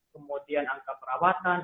kemudian angka perawatan